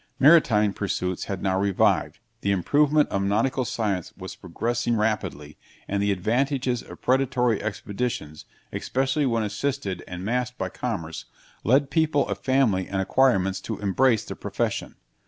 Maritime pursuits had now revived, the improvement of nautical science was progressing rapidly, and the advantages of predatory expeditions, especially when assisted and masked by commerce, led people of family and acquirements to embrace the profession.